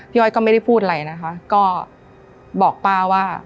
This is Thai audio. อ้อยก็ไม่ได้พูดอะไรนะคะก็บอกป้าว่า